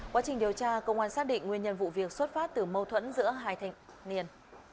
quá trình điều tra công an xác định nguyên nhân vụ việc xuất phát từ mâu thuẫn giữa hai thành niên